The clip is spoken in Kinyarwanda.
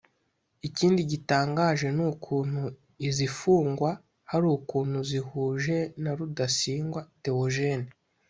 ikindi gitangaje n’uukuntu izinfungwa hari ukuntu zihuje na Rudasingwa Theogene